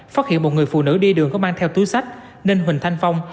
phát hiện một người phụ nữ đi đường có mang theo túi sách nên huỳnh thanh phong